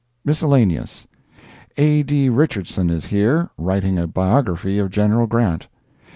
Miscellaneous. A. D. Richardson is here, writing a biography of General Grant.